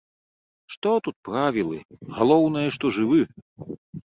Што тут правілы, галоўнае, што жывы.